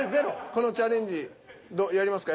このチャレンジやりますか？